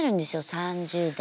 ３０代。